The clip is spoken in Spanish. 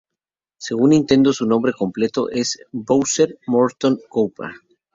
Según Nintendo, su nombre completo es Bowser Morton Koopa.